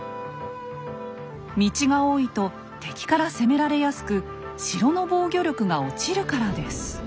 道が多いと敵から攻められやすく城の防御力が落ちるからです。